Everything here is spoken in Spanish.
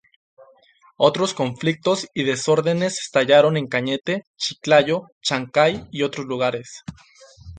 Otros conflictos y desórdenes estallaron en Cañete, Chiclayo, Chancay y otros lugares.